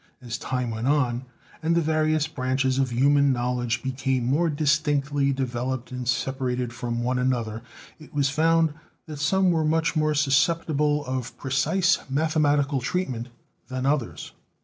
As time went on, and the various branches of human knowledge became more distinctly developed and separated from one an other, it was found that some were much more susceptible of precise mathematical treatment than others.